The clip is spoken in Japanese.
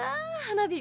花火。